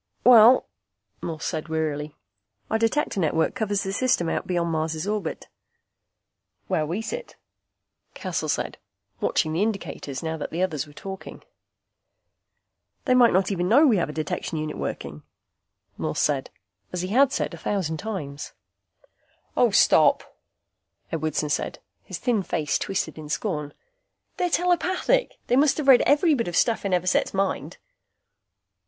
"Well," Morse said wearily, "Our Detector network covers the system out beyond Mars' orbit." "Where we sit," Cassel said, watching the indicators now that the others were talking. "They might not even know we have a detection unit working," Morse said, as he had said a thousand times. "Oh, stop," Edwardson said, his thin face twisted in scorn. "They're telepathic. They must have read every bit of stuff in Everset's mind."